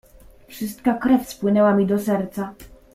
"Wszystka krew spłynęła mi do serca..."